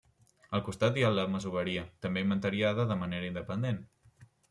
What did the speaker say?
Al costat hi ha la masoveria, també inventariada de manera independent.